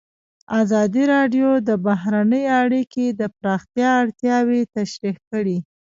ازادي راډیو د بهرنۍ اړیکې د پراختیا اړتیاوې تشریح کړي.